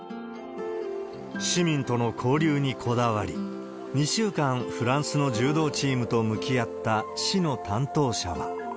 市民との交流にこだわり、２週間、フランスの柔道チームと向き合った市の担当者は。